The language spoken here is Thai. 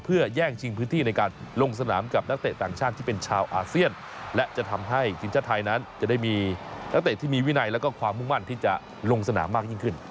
เพื่อแย่งชิงพื้นที่ในการลงสนามกับนักเตะต่างชาติที่เป็นชาวอาเซียนและจะทำให้ทีมชาติไทยนั้นจะได้มีนักเตะที่มีวินัยแล้วก็ความมุ่งมั่นที่จะลงสนามมากยิ่งขึ้น